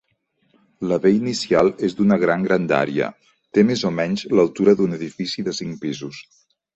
La B inicial és d'una gran grandària, té més o menys l'altura d'un edifici de cinc pisos.